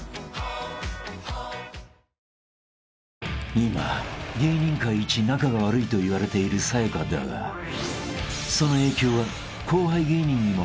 ［今芸人界イチ仲が悪いといわれているさや香だがその影響は］何？